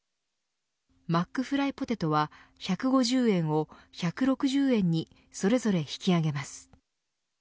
マックフライポテトは１５０円を１６０円にそれぞれ引き上げます。